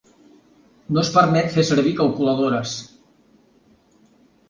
No es permet fer servir calculadores.